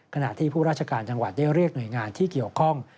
ขณะที่ผู้ราชการจังหวัดได้เรียกหน่วยงานที่เกี่ยวข้อง